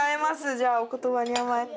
じゃあお言葉に甘えて。